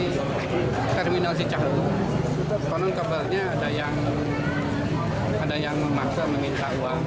di terminal cicahem konon kabarnya ada yang memaksa meminta uang